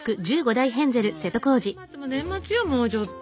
年末も年末よもうちょっと。